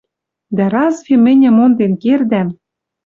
Дӓ разве мӹньӹ монден кердӓм